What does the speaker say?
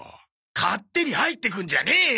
勝手に入ってくんじゃねえよ！